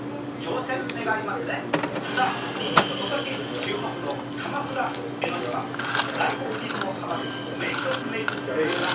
さあ今年注目の鎌倉・江の島外国人もハマる名所・名物ランキング。